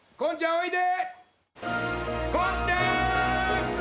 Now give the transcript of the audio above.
おいで。